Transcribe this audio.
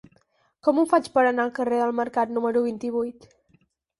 Com ho faig per anar al carrer del Mercat número vint-i-vuit?